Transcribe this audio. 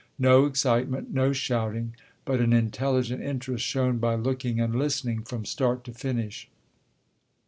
No excitement, no shouting, but an intelligent interest shown by looking and listening from start to finish.